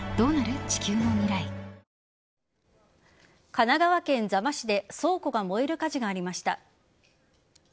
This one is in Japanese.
神奈川県座間市で倉庫が燃える火事がありました。